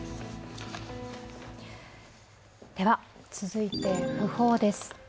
続いて訃報です。